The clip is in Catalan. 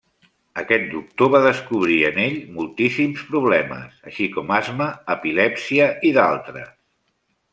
Aquest doctor va descobrir en ell moltíssims problemes, així com asma, epilèpsia i d'altres.